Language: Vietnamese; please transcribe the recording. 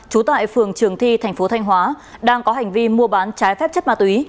trú tại phường trường thi tp thanh hóa đang có hành vi mua bán trái phép chất ma túy